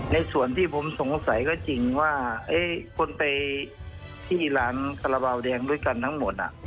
ในส่วนที่ผมสงสัยก็จริงว่าคนไปที่ร้านคาราบาลแดงด้วยกันทั้งหมด